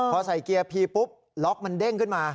พอใส่เกียร์พีปุ๊บล็อกมันเด้งขึ้นมา